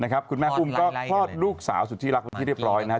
คุณแม่อุ้มก็คลอดลูกสาวสุดที่รักไปที่เรียบร้อยนะครับ